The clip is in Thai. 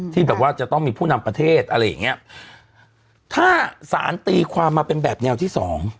ที่แบบว่าจะต้องมีผู้นำประเทศอะไรอย่างเงี้ยถ้าสารตีความมาเป็นแบบแนวที่สอง